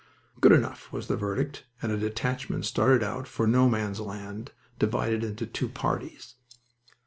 "Good enough!" was the verdict, and a detachment started out for No Man's Land, divided into two parties.